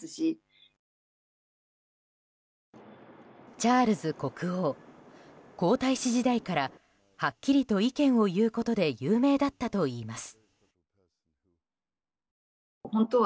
チャールズ国王皇太子時代からはっきりと意見を言うことで有名だったといいます。